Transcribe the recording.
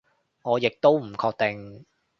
我亦都唔確定